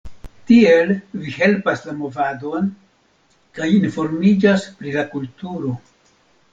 Tiel vi helpas la movadon kaj informiĝas pri la kulturo.